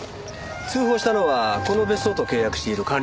通報したのはこの別荘と契約している管理人です。